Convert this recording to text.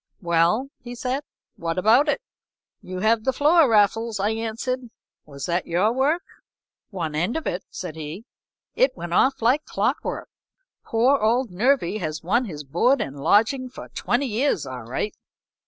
"Well," he said, "what about it?" "You have the floor, Raffles," I answered. "Was that your work?" "One end of it," said he. "It went off like clock work. Poor old Nervy has won his board and lodging for twenty years all right."